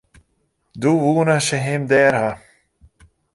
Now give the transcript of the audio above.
Doe woenen se him dêr ha.